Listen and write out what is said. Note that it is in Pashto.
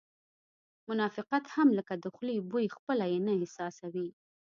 منافقت هم لکه د خولې بوی خپله یې نه احساسوې